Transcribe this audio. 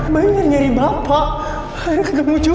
bayu nyari bapak